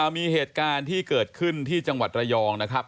มีเหตุการณ์ที่เกิดขึ้นที่จังหวัดระยองนะครับ